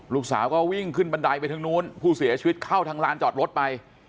ลูกสาวก็วิ่งขึ้นบันไดไปทางนู้นผู้เสียชีวิตเข้าทางลานจอดรถไป